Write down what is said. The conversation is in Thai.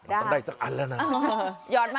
มันต้องได้สักอันแล้วนะ